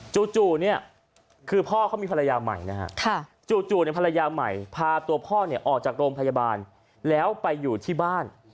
จู่เนี่ยคือพ่อเขามีภรรยาใหม่นะฮะจู่ภรรยาใหม่พาตัวพ่อเนี่ยออกจากโรงพยาบาลแล้วไปอยู่ที่บ้าน